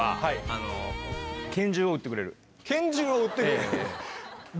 拳銃を売ってくれる。